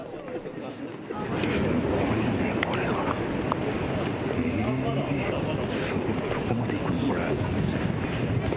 すごいね、これは。えー、すごい、どこまで行くんだ、これ。